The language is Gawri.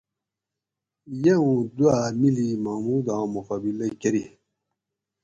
یہ اوُن دواۤ میلی محموداں مقابلہ کۤری